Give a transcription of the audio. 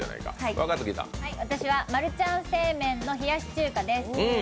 私はマルちゃん正麺の冷し中華です。